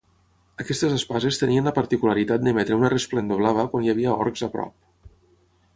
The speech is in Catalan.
Aquestes espases tenien la particularitat d'emetre una resplendor blava quan hi havia orcs a prop.